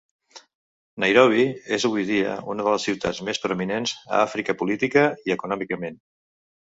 Nairobi és avui dia una de les ciutats més prominents a Àfrica política i econòmicament.